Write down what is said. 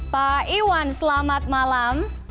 pak iwan selamat malam